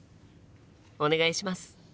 お願いします！